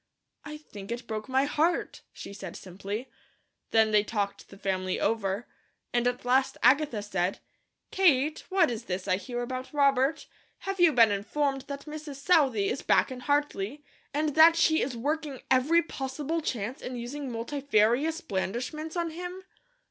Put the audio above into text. "I think it broke my heart," she said simply. Then they talked the family over, and at last Agatha said: "Kate, what is this I hear about Robert? Have you been informed that Mrs. Southey is back in Hartley, and that she is working every possible chance and using multifarious blandishments on him?"